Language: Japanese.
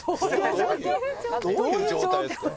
どういう状態ですか？